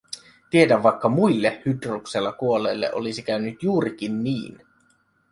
Tiedä vaikka muille Hydruksella kuolleille olisi käynyt juurikin niin.